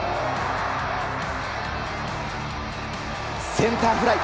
センターフライ！